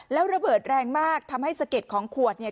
แล้วระเบิดแรงมากทำให้สะเก็ดของขวดเนี่ย